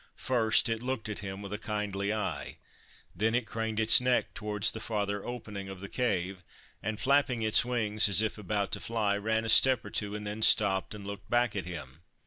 First it looked at him with a kindly eye ; then it craned its neck towards the farther open ing of the cave, and, flapping its wings as if about to fly, ran a step or two and then stopped and looked back at him.